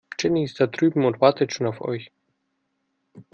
Jenny ist da drüben und wartet schon auf euch.